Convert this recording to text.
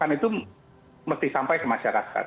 karena itu mesti sampai ke masyarakat